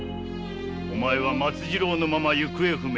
お前は松次郎のまま行方不明。